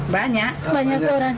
banyak banyak orang